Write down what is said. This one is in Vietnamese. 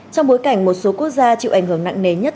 trong bối cảnh một số quốc gia chịu ảnh hưởng nặng nề nhất